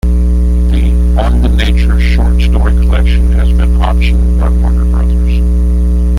The "On the Nature" short story collection has been optioned by Warner Brothers.